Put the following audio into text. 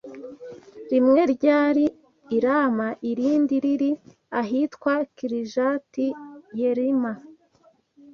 Rimwe ryari i Rama irindi riri ahitwa Kirijati-Yerima.